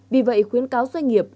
vì vậy khuyến cáo doanh nghiệp